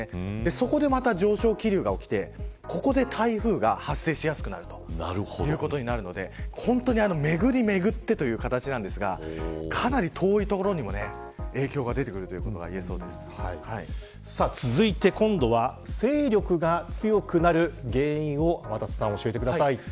そこでまた上昇気流が起きてここで台風が発生しやすくなるということになるので、本当にめぐりめぐってという形ですがかなり遠い所にも影響が出てくるということが続いて今度は勢力が強くなる原因を天達さん、教えてください。